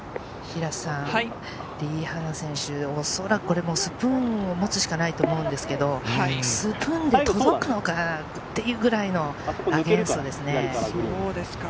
リ・ハナ選手、おそらくこれ、スプーンを持つしかないと思うんですけれど、スプーンで届くのかっていうぐらいのアゲンストですね。